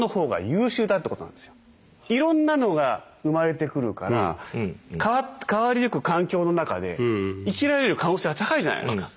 いろんなのが生まれてくるから変わりゆく環境の中で生きられる可能性が高いじゃないですか。